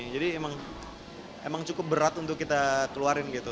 jadi emang cukup berat untuk kita keluarin gitu